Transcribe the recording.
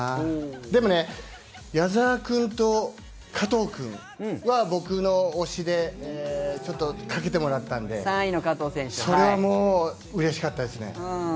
でもね、矢澤君と加藤君は僕の推しでちょっとかけてもらったんで、それはもううれしかったですね。